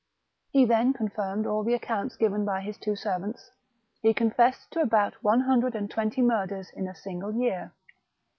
He then confirmed all the accounts given by his two servants. He confessed to about one hundred and twenty murders in a single year.